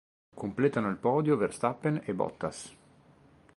Completano il podio Verstappen e Bottas.